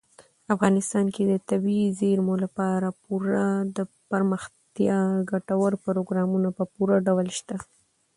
افغانستان کې د طبیعي زیرمې لپاره پوره دپرمختیا ګټور پروګرامونه په پوره ډول شته.